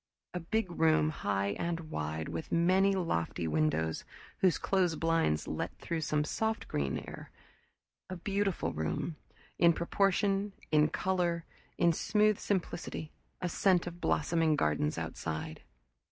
A big room, high and wide, with many lofty windows whose closed blinds let through soft green lit air; a beautiful room, in proportion, in color, in smooth simplicity; a scent of blossoming gardens outside.